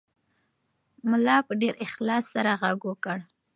ملا په ډېر اخلاص سره غږ وکړ.